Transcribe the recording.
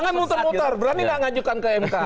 jangan muter muter berani nggak ngajukan ke mk